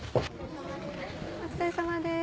お疲れさまです。